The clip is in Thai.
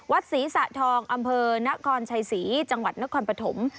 ศรีสะทองอำเภอนครชัยศรีจังหวัดนครปฐม